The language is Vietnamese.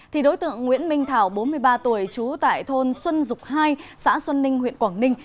thì đối tượng nguyễn minh thảo bốn mươi ba tuổi trú tại thôn xuân dục hai xã xuân ninh huyện quảng ninh